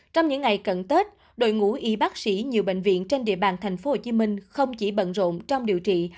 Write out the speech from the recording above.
trong những ngày cận tết đội ngũ y bác sĩ nhiều bệnh viện trên địa bàn tp hcm không chỉ bận rộn trong điều trị